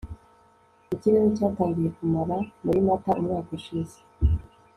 ikirere cyatangiye kumara muri mata umwaka ushize